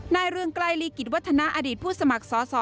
เรืองไกลลีกิจวัฒนาอดีตผู้สมัครสอสอ